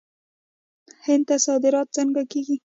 هند ته صادرات څنګه کیږي؟